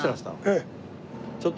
ええ。